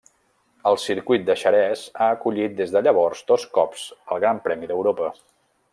El circuit de Xerès ha acollit des de llavors dos cops el Gran Premi d'Europa.